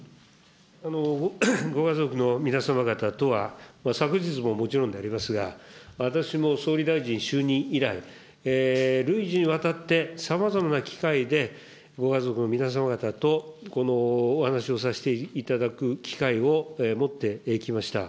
ご家族の皆様方とは、昨日ももちろんでありますが、私も総理大臣就任以来、累次にわたって、さまざまな機会でご家族の皆様方と、お話しをさせていただく機会を持ってきました。